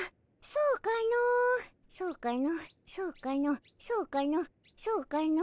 そうかのそうかのそうかのそうかのそうかの。